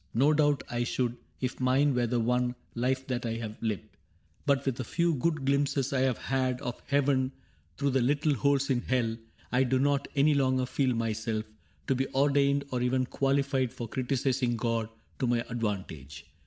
No doubt I should, If mine were the one life that I have lived ; But with a few good glimpses I have had Of heaven through the little holes in hell, I do not any longer feel myself To be ordained or even qualified For criticising God to my advantage.